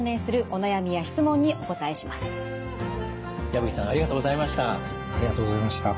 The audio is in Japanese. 矢吹さんありがとうございました。